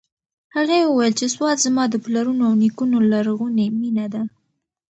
هغې وویل چې سوات زما د پلرونو او نیکونو لرغونې مېنه ده.